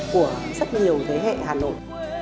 của rất nhiều thế hệ hà nội